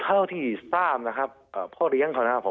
เท่าที่ทราบนะครับพ่อเลี้ยงเขานะครับผม